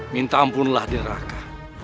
minta ampunlah diraka